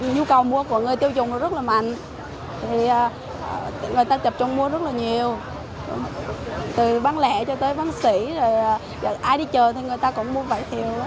nhu cầu mua của người tiêu dùng rất là mạnh thì người ta tập trung mua rất là nhiều từ bán lẻ cho tới bán xỉ rồi ai đi chờ thì người ta cũng mua vải thiều